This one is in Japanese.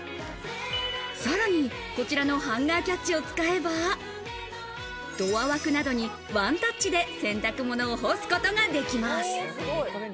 さらにこちらのハンガーキャッチを使えば、ドア枠などにワンタッチで洗濯物を干すことができます。